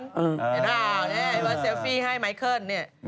พี่เบิร์ดเซลฟี่ให้ไมเคิลเนี่ย